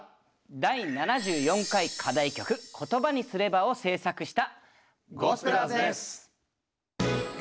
第７４回課題曲「言葉にすれば」を制作した。